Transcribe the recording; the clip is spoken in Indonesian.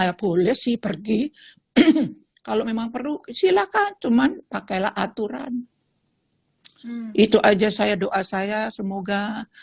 saya boleh sih pergi kalau memang perlu silakan cuman pakailah aturan itu aja saya doa saya semoga